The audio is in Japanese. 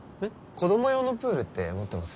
子供用のプールって持ってます？